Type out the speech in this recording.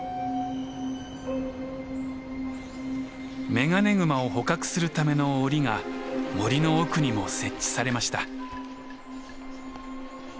メガネグマを捕獲するための檻が森の奥にも設置されました。